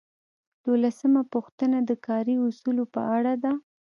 دولسمه پوښتنه د کاري اصولو په اړه ده.